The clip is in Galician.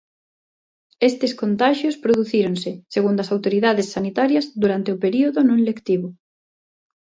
Estes contaxios producíronse, segundo as autoridades sanitarias, durante o período non lectivo.